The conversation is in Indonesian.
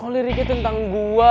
kok liriknya tentang gua